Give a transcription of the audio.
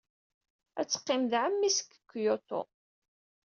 Ad teqqim ed ɛemmi-s deg Kyoto.